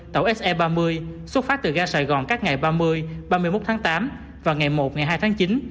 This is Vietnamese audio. tàu se ba mươi xuất phát từ ga sài gòn các ngày ba mươi ba mươi một tháng tám và ngày một ngày hai tháng chín